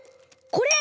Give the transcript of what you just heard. これ！